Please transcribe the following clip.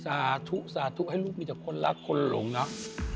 สาธุสาธุให้ลูกมีแต่คนรักคนหลงเนอะ